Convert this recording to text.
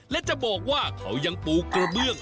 และจะบอกว่าเขายังปูกระเบื้อง